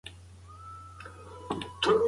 د هغه سترګې له ډېرې غوسې څخه سرې ښکارېدې.